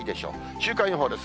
週間予報です。